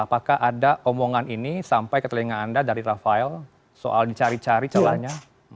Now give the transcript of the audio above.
apakah ada omongan ini sampai ke telinga anda dari rafael soal dicari cari celahnya